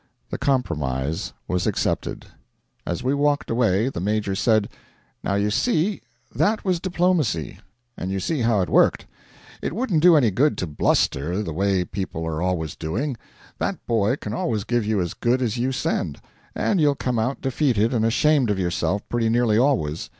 The compromise was accepted. As we walked away, the Major said: 'Now, you see, that was diplomacy and you see how it worked. It wouldn't do any good to bluster, the way people are always doing. That boy can always give you as good as you send, and you'll come out defeated and ashamed of yourself pretty nearly always.